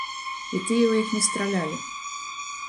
І тыя ў іх не стралялі.